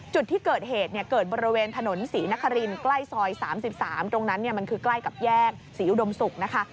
จุดที่เกิดเหตุเนี่ยเกิดบริเวณถนนศรีนครินใกล้ซอย๓๓ตรงนั้นมันคือใกล้กับแยกศรีอุดมศุกร์นะคะ